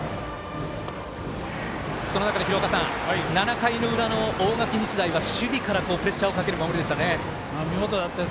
その中で７回の裏の大垣日大は守備からプレッシャーをかける見事でしたね。